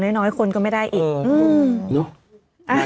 น้อยคนก็ไม่ได้อีก